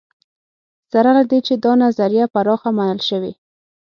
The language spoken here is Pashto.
سره له دې چې دا نظریه پراخه منل شوې.